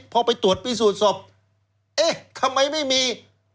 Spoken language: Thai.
พอไปตรวจพิสูจน์ศพเอ๊ะทำไมไม่มี